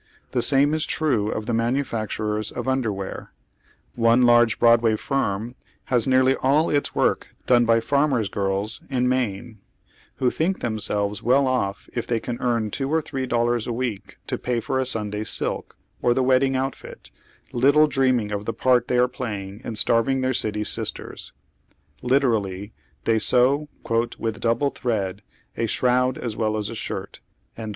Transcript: The same is trne of the manufacturers of underwear, Oiie large Broadway firm has nearly all its work done by fanners' girls in Maine, who tliink them selves well off if they can earn two or thi ee dollars a week to pay for a Sunday silk, or the wedding outfit, little dreaming of the part they are playing in stai ving their city sisters. Literally, they sew " with double thread, a shrond as well as a shirt."